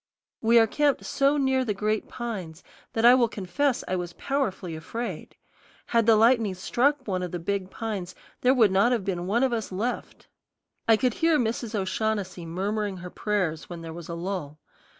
We are camped so near the great pines that I will confess I was powerfully afraid. Had the lightning struck one of the big pines there would not have been one of us left. I could hear Mrs. O'Shaughnessy murmuring her prayers when there was a lull.